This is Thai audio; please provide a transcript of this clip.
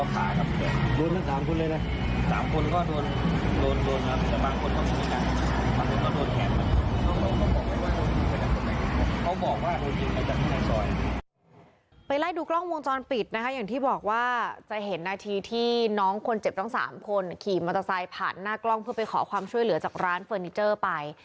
ไปไล่ดูกล้องวงจรปิดนะคะอย่างที่บอกว่าจะเห็นนาทีที่น้องคนเจ็บทั้ง๓คนขี่มอเตอร์ไซค์ผ่านหน้ากล้องเพื่อไปขอความช่วยเหลือจากร้านเฟอร์นิเจอร์ไป